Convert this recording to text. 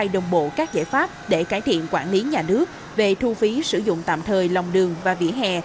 đồng bộ các giải pháp để cải thiện quản lý nhà nước về thu phí sử dụng tạm thời lòng đường và vỉa hè